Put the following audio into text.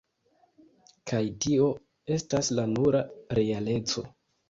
Kaj tio, estas la nura realeco.